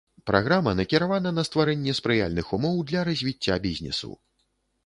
Праграма накіравана на стварэнне спрыяльных умоў для развіцця бізнесу.